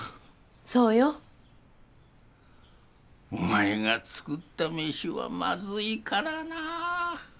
そうよ。お前が作った飯はまずいからなあ。